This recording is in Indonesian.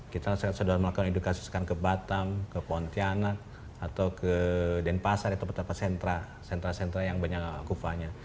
kita sedang melakukan edukasi ke batam ke pontianak atau ke denpasar atau beberapa sentra sentra yang banyak kuva nya